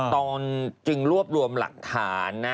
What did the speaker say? ตอนจึงรวบรวมหลักฐานนะ